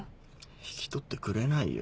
引き取ってくれないよ。